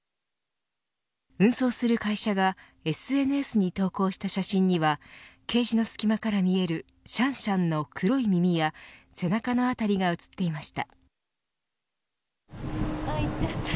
運送する会社がＳＮＳに投稿した写真にはケージの隙間から見えるシャンシャンの黒い耳や背中の辺りが写っていました。